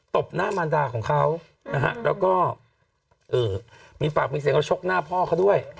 บหน้ามารดาของเขานะฮะแล้วก็มีปากมีเสียงเขาชกหน้าพ่อเขาด้วย